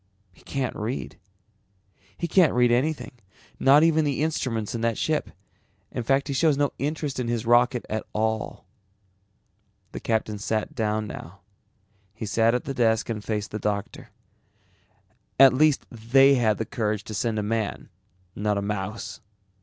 He can't read. He can't read anything, not even the instruments in that ship. In fact he shows no interest in his rocket at all." The captain sat down now. He sat at the desk and faced the doctor. "At least they had the courage to send a man, not a mouse.